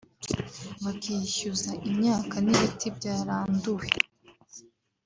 bakishyuza imyaka n’ibiti byaranduwe